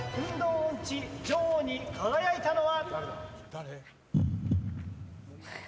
音痴女王に輝いたのは。